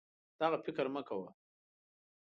دغه فکر مه کوه